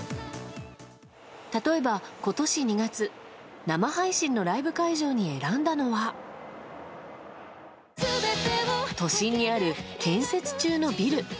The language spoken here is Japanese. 例えば今年２月生配信のライブ会場に選んだのは都心にある建設中のビル。